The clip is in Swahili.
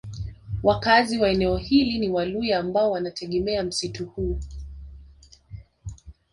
Wakaazi wa eneo hili ni Waluhya ambao wanategemea msitu huu